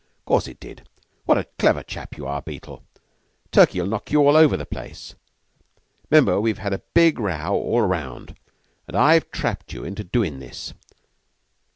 "Course it did. What a clever chap you are, Beetle! Turkey'll knock you all over the place. 'Member we've had a big row all round, an' I've trapped you into doin' this.